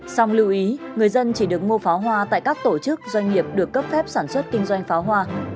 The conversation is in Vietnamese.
song lưu ý người dân chỉ được mua pháo hoa tại các tổ chức doanh nghiệp được cấp phép sản xuất kinh doanh pháo hoa